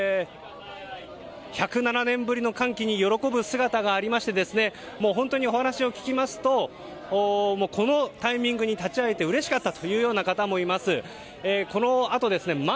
１０７年ぶりの歓喜に喜ぶ姿がありまして本当に、お話を聞きますとこのタイミングに立ち会えてうれしかったというような方もいます。